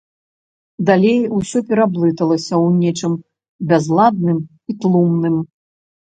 Далей усё пераблыталася ў нечым бязладным і тлумным.